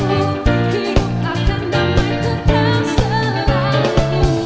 bihut akan nama ketangselanku